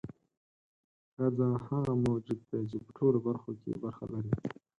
ښځه هغه موجود دی چې په ټولو برخو کې برخه لري.